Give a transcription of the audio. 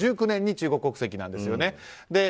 １９年に中国国籍なんですよね。